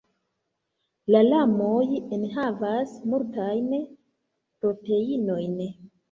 La larmoj enhavas multajn proteinojn.